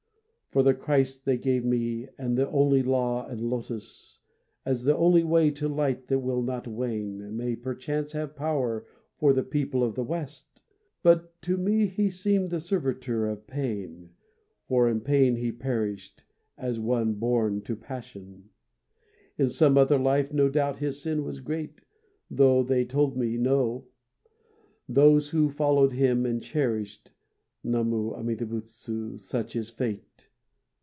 For the Christ they gave me As the only Law and Lotus, As the only way to Light that will not wane, May perchance have power For the people of the West, But to me he seemed the servitor of pain. For in pain he perished As one born to passion: In some other life no doubt his sin was great, Tho they told me no, Those who followed him and cherished. Namu Amida Butsu, such is fate.